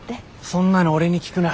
そんなの俺に聞くな。